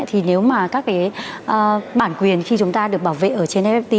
thì nếu mà các cái bản quyền khi chúng ta được bảo vệ ở trên fpt